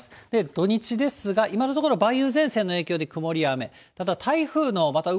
土日ですが、今のところ梅雨前線の影響で曇りや雨。